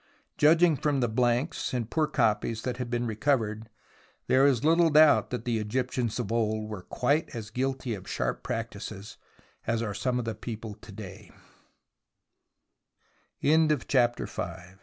Judging from the blanks and poor copies that have been recovered, there is httle doubt that the Egyptians of old were quite as guilty of sharp practices as are some of the people of to day. CHAPTER VI SINCE